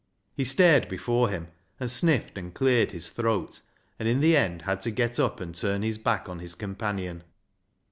He stared before him, and sniffed and cleared his throat, and in the end had to get up and turn his back on his companion.